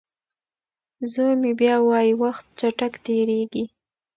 زوی مې بیا وايي وخت چټک تېریږي.